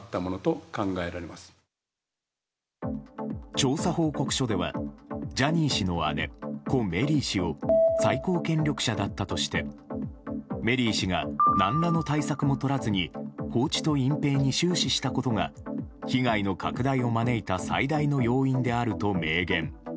調査報告書ではジャニー氏の姉・故メリー氏を最高権力者だったとしてメリー氏が何らの対策もとらずに放置と隠蔽に終始したことが被害の拡大を招いた最大の要因であると明言。